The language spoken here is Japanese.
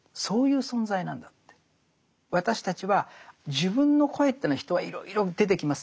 私たちは自分の声というのは人はいろいろ出てきますね。